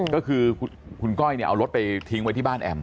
ก็คือคุณก้อยเนี่ยเอารถไปทิ้งไว้ที่บ้านแอม